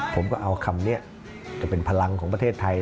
ผมก็เอาคำนี้จะเป็นพลังของประเทศไทย